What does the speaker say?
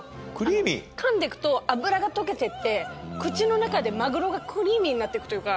かんでいくと脂が溶けていって口の中でマグロがクリーミーになっていくというか。